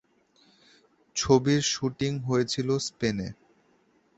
ছবির শ্যুটিং হয়েছিল স্পেনে।